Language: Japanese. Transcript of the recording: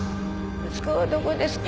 息子はどこですか？